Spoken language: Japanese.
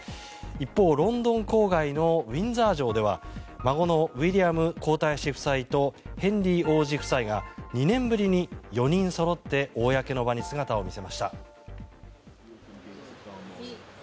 一方、ロンドン郊外のウィンザー城では孫のウィリアム皇太子夫妻とヘンリー王子夫妻が２年ぶりに４人そろって公の場に姿を見せました。